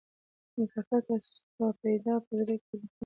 مسافر ته سوه پیدا په زړه کي تمه